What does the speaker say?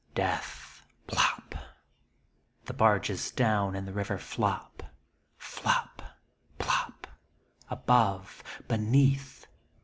Death ! Plop: The barges down in the river flop. Flop, plop, Above, beneath.